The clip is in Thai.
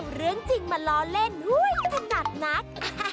เอาเรื่องจริงมาล้อเล่นถนัดนัก